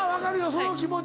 その気持ち。